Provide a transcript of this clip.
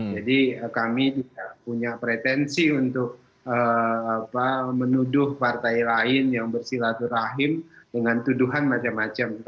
jadi kami tidak punya pretensi untuk menuduh partai lain yang bersilaturahim dengan tuduhan macam macam